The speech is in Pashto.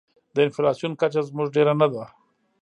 د انفلاسیون کچه زموږ ډېره نه ده.